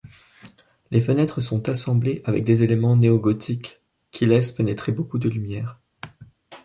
Les fenêtres sont assemblées avec des éléments néogothiques, qui laissent pénétrer beaucoup de lumière.